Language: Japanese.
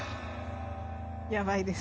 やばいです。